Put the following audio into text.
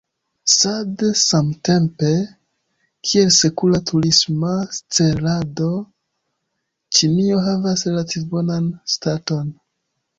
Sed samtempe, kiel sekura turisma cellando, Ĉinio havas relative bonan staton.